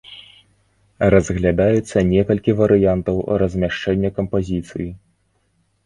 Разглядаюцца некалькі варыянтаў размяшчэння кампазіцыі.